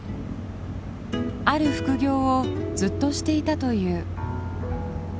ある副業をずっとしていたという。